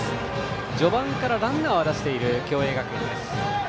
序盤からランナーは出している共栄学園です。